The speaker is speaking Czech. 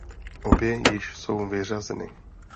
Obě již jsou vyřazeny.